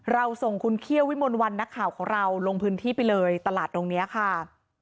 เราส่งคุณเคี่ยววิมลวันนักข่าวของเราลงพื้นที่ไปเลยตลาดตรงนี้ค่ะ